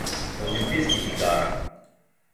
Олимпијских игара.